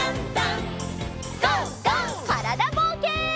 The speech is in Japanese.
からだぼうけん。